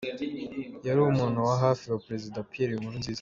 Yari umuntu wa hafi wa Perezida Pierre Nkurunziza.